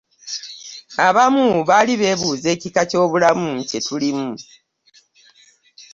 Abamu baali bebuuza ekika ky'obulamu kyetulimu .